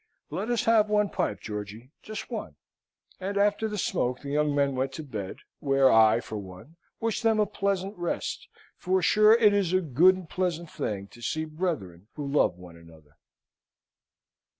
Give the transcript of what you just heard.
Let us have one pipe, Georgy! just one." And after the smoke the young men went to bed, where I, for one, wish them a pleasant rest, for sure it is a good and pleasant thing to see brethren who love one another.